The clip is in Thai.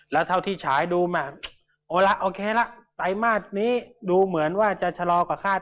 แล้วเท่าที่ฉายดูมาเอาละโอเคละไตรมาสนี้ดูเหมือนว่าจะชะลอกว่าคาด